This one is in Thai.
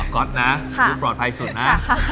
ก๊อตนะลูกปลอดภัยสุดนะ